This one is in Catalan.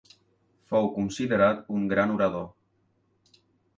Fou considerat un gran orador.